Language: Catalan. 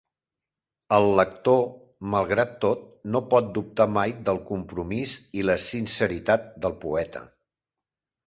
El lector, malgrat tot, no pot dubtar mai del compromís i la sinceritat del poeta.